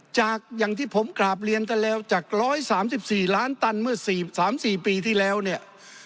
จากอย่างที่ผมกราบเรียนกันแล้วจาก๑๓๔ล้านตันเมื่อ๓๔ปีที่แล้วเนี่ย